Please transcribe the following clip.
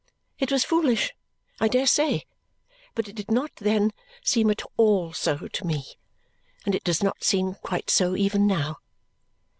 It was foolish, I dare say, but it did not then seem at all so to me, and it does not seem quite so even now.